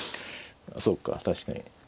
そうか確かに。